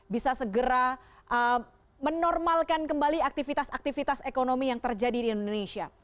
bisa segera menormalkan kembali aktivitas aktivitas ekonomi yang terjadi di indonesia